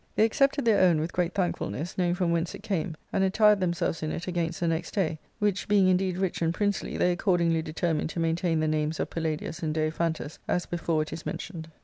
They accepted their own with great thankfulness, knowing from whence it came, and attired themselves in it against the next day, which being indeed rich and princely, they accordingly determined to maintain the names of Palla dius and Daiphantus as before it is mentioned.